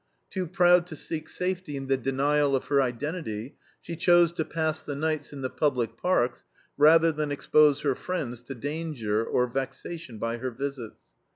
Too proud to seek safety in the denial of her identity, she chose to pass the nights in the public parks rather than expose her friends to danger or vexation by her visits.